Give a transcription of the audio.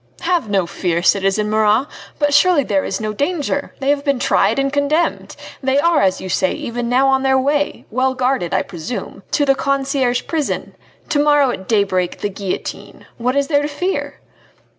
"Have no fear, citizen Marat! But surely there is no danger! They have been tried and condemned! They are, as you say, even now on their way well guarded, I presume to the Conciergerie prison! to morrow at daybreak, the guillotine! What is there to fear?"